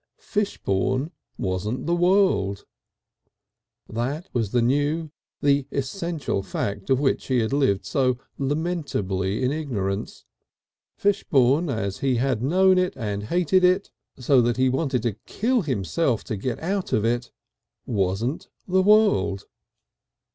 Fishbourne wasn't the world. That was the new, the essential fact of which he had lived so lamentably in ignorance. Fishbourne as he had known it and hated it, so that he wanted to kill himself to get out of it, wasn't the world.